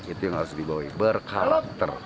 itu yang harus dibawa berkalater